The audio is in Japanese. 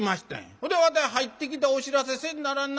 ほでわたい入ってきてお知らせせんならんな